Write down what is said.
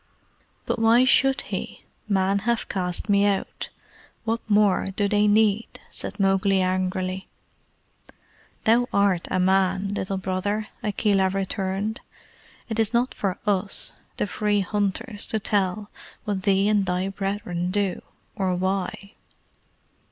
"But why should he? Men have cast me out. What more do they need?" said Mowgli angrily. "Thou art a man, Little Brother," Akela returned. "It is not for US, the Free Hunters, to tell thee what thy brethren do, or why."